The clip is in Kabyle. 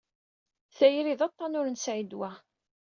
Tayri d aṭṭan ur nesɛi ddwa.